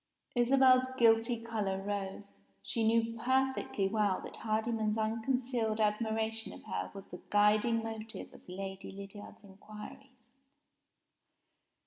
Isabel's guilty color rose. She knew perfectly well that Hardyman's unconcealed admiration of her was the guiding motive of Lady Lydiard's inquiries.